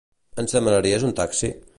Ens demanaries un taxi?